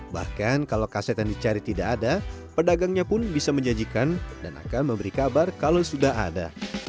bahkan kalau kaset yang dicari tidak ada pedagangnya pun bisa menjanjikan dan akan memberi kabar kalau sudah ada